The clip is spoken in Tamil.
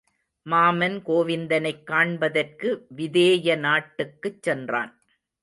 மாமன் கோவிந்தனைக் காண்பதற்கு விதேய நாட்டுக்குச் சென்றான்.